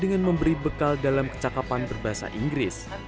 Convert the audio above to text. dengan memberi bekal dalam kecakapan berbahasa inggris